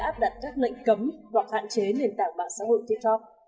áp đặt các lệnh cấm hoặc hạn chế nền tảng mạng xã hội tiktok